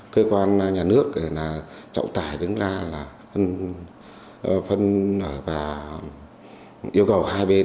cơ quan nhà nước là trọng tài đứng ra là phân và yêu cầu hai bên